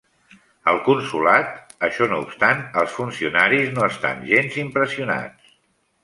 Al consolat, això no obstant, els funcionaris no estan gens impressionats.